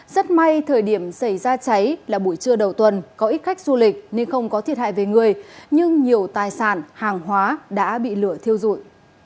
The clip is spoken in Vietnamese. rất may thời điểm xảy ra cháy là buổi trưa đầu tuần có ít khách du lịch nên không có thiệt hại về người nhưng nhiều tài sản hàng hóa đã bị lửa thiêu dụi